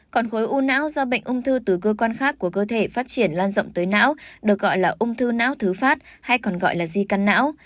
còn khối u não do bệnh ung thư từ cơ quan khác của cơ thể phát triển lan rộng tới não được gọi là ung thư não thứ phát hay còn gọi là di căn não